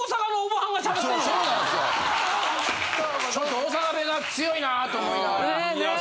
ちょっと大阪弁が強いなと思いながら。